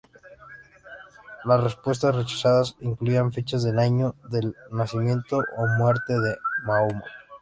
Las propuestas rechazadas incluían fechas del año del nacimiento o muerte de Mahoma.